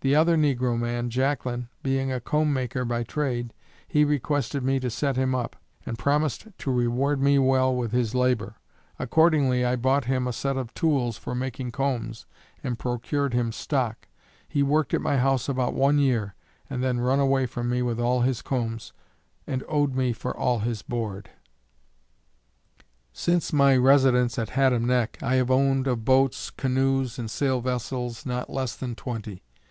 The other negro man, Jacklin, being a comb maker by trade, he requested me to set him up, and promised to reward me well with his labor. Accordingly I bought him a set of tools for making combs, and procured him stock. He worked at my house about one year, and then run away from me with all his combs, and owed me for all his board. Since my residence at Haddam neck, I have owned of boats, canoes and sail vessels, not less than twenty.